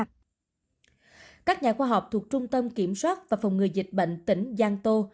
các nhà khoa học thuộc trung tâm kiểm soát và phòng ngừa dịch bệnh tỉnh giang tô